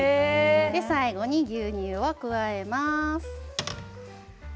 最後に牛乳を加えます。